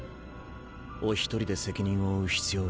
お一人で責任を負う必要は。